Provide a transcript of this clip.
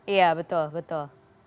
iya betul betul